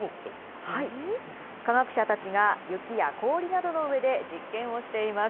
科学者たちが雪や氷などの上で実験をしています。